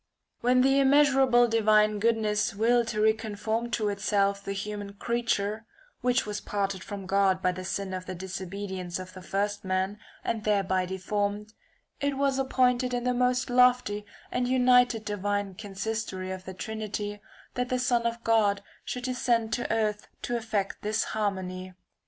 [i. When the immeasurable divine goodness willed to reconform to itself the human creature (which was parted from God by the sin of the disobedience of the first man, [20~\ and thereby deformed), it was appointed in the most lofty and united divine consistory of the Trinity that the Son of God should descend to earth to effect this harmony.